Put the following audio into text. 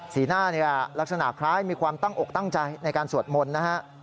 หน้าลักษณะคล้ายมีความตั้งอกตั้งใจในการสวดมนต์นะฮะ